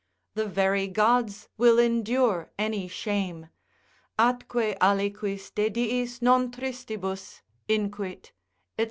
The very Gods will endure any shame (atque aliquis de diis non tristibus inquit, &c.)